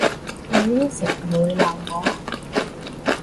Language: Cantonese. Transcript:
你應承唔會鬧我？